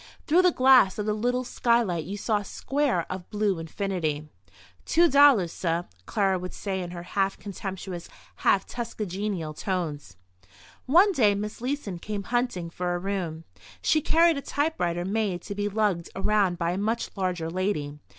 Through the glass of the little skylight you saw a square of blue infinity. "Two dollars, suh," Clara would say in her half contemptuous, half Tuskegeenial tones. One day Miss Leeson came hunting for a room. She carried a typewriter made to be lugged around by a much larger lady.